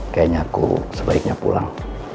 kayaknya aku sebaiknya pulang